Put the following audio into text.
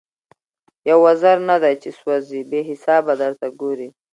یو وزر نه دی چي سوځي بې حسابه درته ګوري